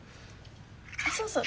そうそう。